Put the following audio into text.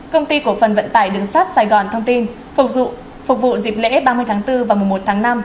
công ty của phần vận tải đường sát sài gòn thông tin phục vụ dịp lễ ba mươi tháng bốn và một mươi một tháng năm